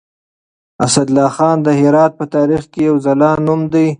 اسدالله خان د هرات په تاريخ کې يو ځلاند نوم دی.